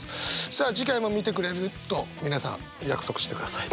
さあ次回も見てくれると皆さん約束してください。